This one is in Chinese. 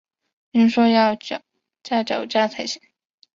听说要架脚架才行